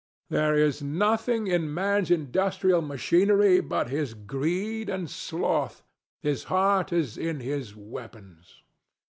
There is nothing in Man's industrial machinery but his greed and sloth: his heart is in his weapons.